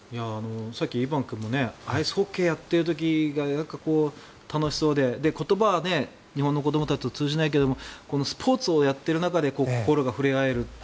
さっきイバン君もアイスホッケーをやっている時が楽しそうで言葉は日本の子どもたちとは通じないけれどもスポーツをやっている中で心が触れ合える。